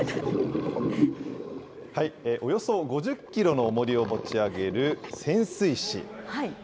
およそ５０キロのおもりを持ち上げる潜水士。